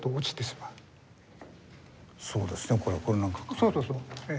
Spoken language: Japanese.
そうそう。